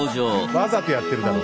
わざとやってるだろ。